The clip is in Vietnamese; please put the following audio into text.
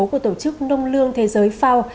của tổ chức nông lương thế giới fao